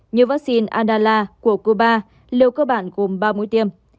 như vaccine andala của cuba liệu cơ bản gồm ba mũi tiêm